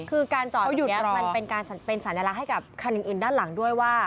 คือการจอดตรงนี้มันเป็นสัญลักษณ์ให้กับคันอินด้านหลังด้วยว่า